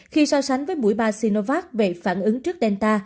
khi so sánh với mũi ba sinovac về phản ứng trước delta